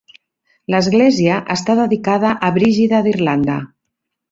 L'església està dedicada a Brígida d'Irlanda.